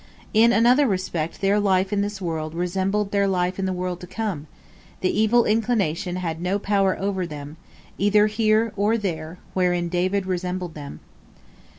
In another respect their life in this world resembled their life in the world to come, the evil inclination had no power over them, either here or there, wherein David resembled them.